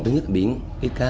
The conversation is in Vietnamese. thứ nhất là biển ít cá